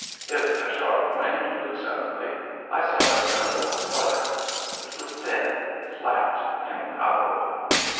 If a sharp wind blew suddenly, I saw it tremble and flutter; it was thin, flat, impalpable.